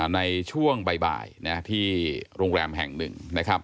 ในช่วงบ่ายที่โรงแรมแห่งหนึ่งนะครับ